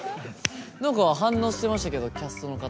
何か反応してましたけどキャストの方に。